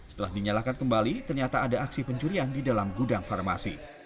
setelah dinyalakan kembali ternyata ada aksi pencurian di dalam gudang farmasi